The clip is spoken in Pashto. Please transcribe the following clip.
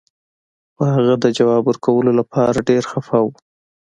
خو هغه د ځواب ورکولو لپاره ډیر خفه و